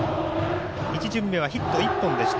１巡目はヒット１本でした。